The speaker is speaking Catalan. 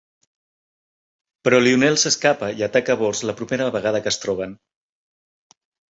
Però Lionel s'escapa, i ataca a Bors la propera vegada que es troben.